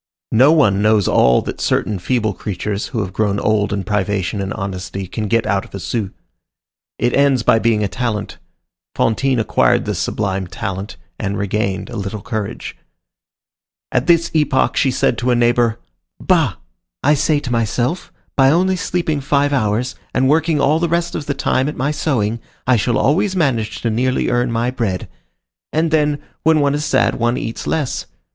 No one knows all that certain feeble creatures, who have grown old in privation and honesty, can get out of a sou. It ends by being a talent. Fantine acquired this sublime talent, and regained a little courage. At this epoch she said to a neighbor, "Bah! I say to myself, by only sleeping five hours, and working all the rest of the time at my sewing, I shall always manage to nearly earn my bread. And, then, when one is sad, one eats less.